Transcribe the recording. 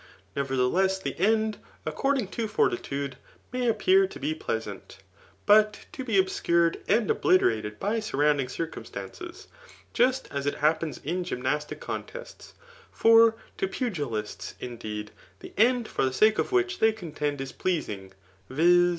Nevertheless the end, according to fortitude, may appear to be pleasant, but to be obscured and obliterated by surrounding cir cumstances; just as it happens in gymnasdc contests. For to pugilists, indeed, the end for the sake of which they contend is pleasing, viz.